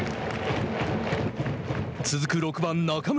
続く６番中村。